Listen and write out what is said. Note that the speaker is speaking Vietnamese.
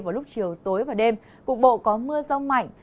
vào lúc chiều tối và đêm cục bộ có mưa rông mạnh